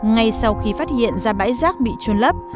ngay sau khi phát hiện ra bãi rác bị trôn lấp